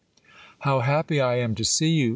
How happy I am to see you !